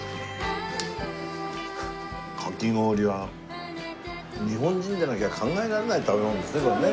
かき氷は日本人でなきゃ考えられない食べ物ですねこれね。